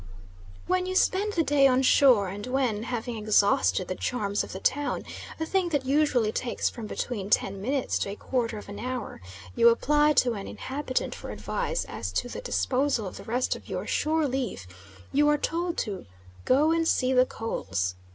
When you spend the day on shore and when, having exhausted the charms of the town, a thing that usually takes from between ten minutes to a quarter of an hour, you apply to an inhabitant for advice as to the disposal of the rest of your shore leave, you are told to "go and see the coals."